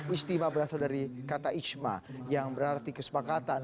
istimewa berasal dari kata isma yang berarti kesepakatan